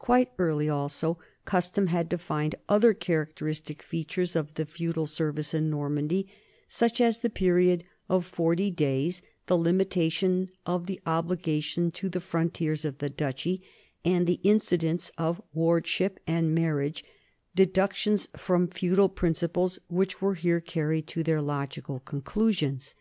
Quite early also custom had defined other characteristic features of the feudal service in Nor mandy, such as the period of forty days, the limitation of the obligation to the frontiers of the duchy, and the incidents of wardship and marriage, deductions from feudal principles which were here carried to their logical conclusions.